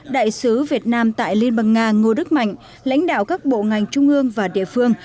đại sứ việt nam tại liên bang nga ngô đức mạnh lãnh đạo các bộ ngành trung ương và địa phương